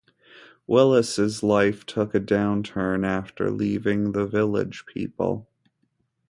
Willis' life took a downturn after leaving the "Village People".